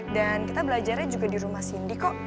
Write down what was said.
dan kita belajarnya juga di rumah cindy kok